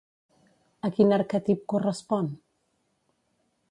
A quin arquetip correspon?